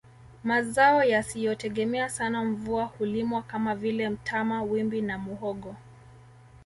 Mazao yasiyotegemea sana mvua hulimwa kama vile mtama wimbi na muhogo